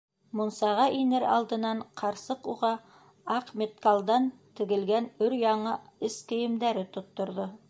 Мунсаға инер алдынан ҡарсыҡ уға аҡ меткалдан тегелгән өр-яңы эс кейемдәре тотторҙо: